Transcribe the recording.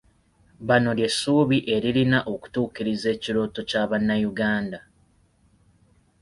Bano ly'essuubi eririna okutuukiriza ekirooto kya bannayuganda.